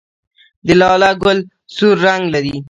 د لاله ګل سور رنګ لري